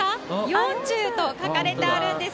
４０と書かれてあるんです。